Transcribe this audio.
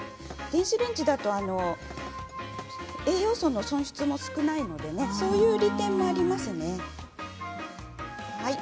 電子レンジだと栄養素の損失も少ないのでそういう利点もありますね。